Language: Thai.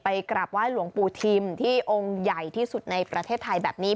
กลับไหว้หลวงปู่ทิมที่องค์ใหญ่ที่สุดในประเทศไทยแบบนี้